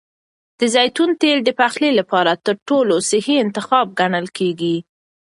د زیتون تېل د پخلي لپاره تر ټولو صحي انتخاب ګڼل کېږي.